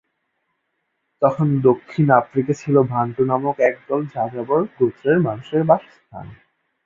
তখন দক্ষিণ আফ্রিকা ছিল বান্টু নামক একদল যাযাবর গোত্রের মানুষের বাসস্থান।